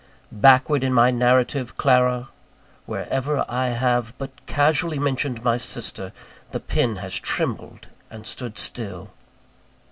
Backward in my narrative, Clara, wherever I have but casually mentioned my sister, the pen has trembled and stood still.